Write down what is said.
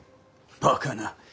バカな。